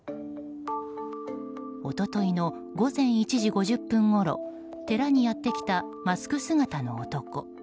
一昨日の午前１時５０分ごろ寺にやってきたマスク姿の男。